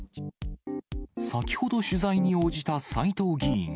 先ほど、取材に応じた斎藤議員。